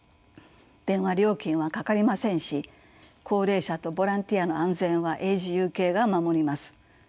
電話料金はかかりませんし高齢者とボランティアの安全はＡｇｅＵＫが守ります。